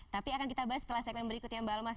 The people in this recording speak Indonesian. tapi akan kita bahas setelah segmen berikutnya mbak alma